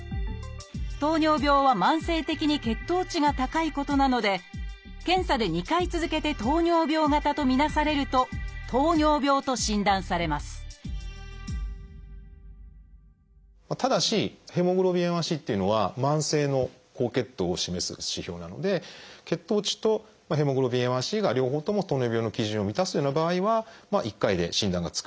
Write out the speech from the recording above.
糖尿病は慢性的に血糖値が高いことなので検査で２回続けて糖尿病型と見なされると「糖尿病」と診断されますただしＨｂＡ１ｃっていうのは慢性の高血糖を示す指標なので血糖値とＨｂＡ１ｃが両方とも糖尿病の基準を満たすような場合は１回で診断がつくような場合もあります。